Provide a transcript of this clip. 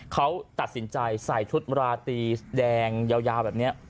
เขาตัดสินใจใส่ชุดราตีแดงยาวแบบนี้